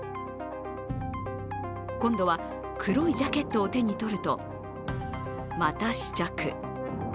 今度は黒いジャケットを手にとると、また試着。